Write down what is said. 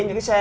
những cái xe